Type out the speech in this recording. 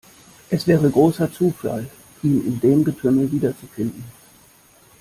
Es wäre großer Zufall, ihn in dem Getümmel wiederzufinden.